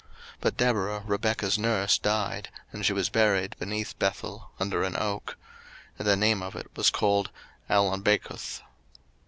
01:035:008 But Deborah Rebekah's nurse died, and she was buried beneath Bethel under an oak: and the name of it was called Allonbachuth.